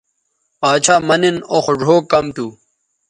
باڇھا مہ نِن او خو ڙھؤ کم تھو